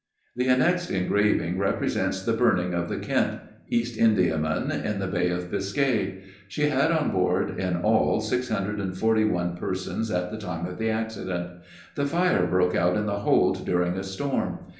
The annexed engraving represents the burning of the Kent, East Indiaman, in the Bay of Biscay. She had on board in all six hundred and forty one persons at the time of the accident. The fire broke out in the hold during a storm.